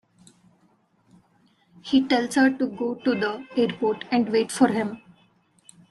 He tells her to go to the airport and wait for him.